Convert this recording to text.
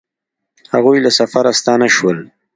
هغوی له سفره ستانه شول